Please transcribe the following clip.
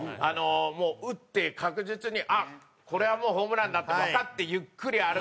もう打って確実にこれはもうホームランだってわかってゆっくり歩く。